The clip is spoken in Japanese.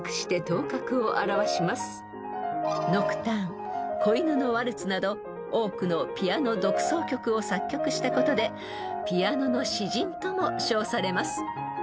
［『ノクターン』『小犬のワルツ』など多くのピアノ独奏曲を作曲したことでピアノの詩人とも称されます］